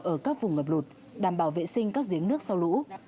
ở các vùng ngập lụt đảm bảo vệ sinh các giếng nước sau lũ